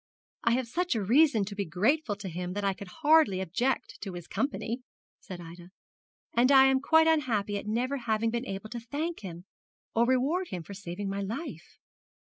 'I have such a reason to be grateful to him that I could hardly object to his company,' said Ida; 'and I am quite unhappy at never having been able to thank him or reward him for saving my life.'